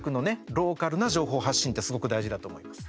ローカルな情報発信ってすごく大事だと思います。